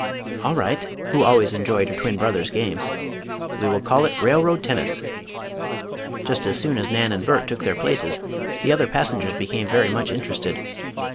"All right," agreed Nan, who always enjoyed her twin brother's games. "We will call it Railroad Tennis." Just as soon as Nan and Bert took their places, the other passengers became very much interested.